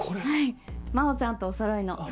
はい真帆さんとおそろいの。